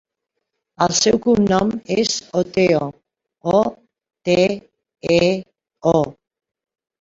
El seu cognom és Oteo: o, te, e, o.